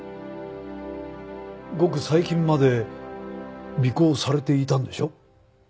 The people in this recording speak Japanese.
ごく最近まで尾行されていたんでしょう？